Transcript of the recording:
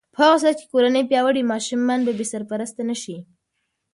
په هغه صورت کې چې کورنۍ پیاوړې وي، ماشوم به بې سرپرسته نه شي.